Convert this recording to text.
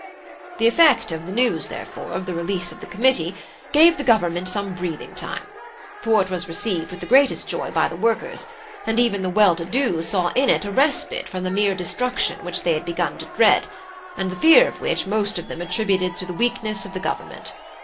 "The effect of the news, therefore, of the release of the Committee gave the Government some breathing time: for it was received with the greatest joy by the workers, and even the well to do saw in it a respite from the mere destruction which they had begun to dread, and the fear of which most of them attributed to the weakness of the Government.